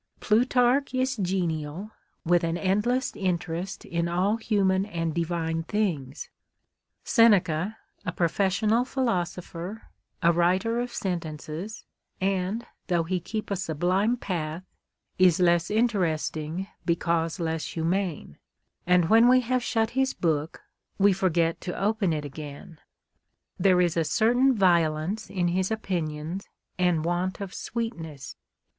Plutarch is genial, with an endless interest in all human and divine things ; Seneca, a professional philosopher, a writer of sentences, and, though he keep a sublime path, is less interesting, because less humane ; and when we have shut his book, we forget to open it again. There is a certain violence in his opinions, and want of sweetness.